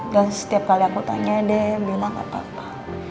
dan setiap kali aku tanya deh bilang gapapa